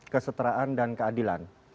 kesetaraan dan keadilan